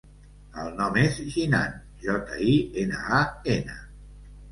El nom és Jinan: jota, i, ena, a, ena.